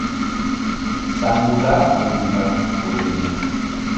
Sangula munda ulime.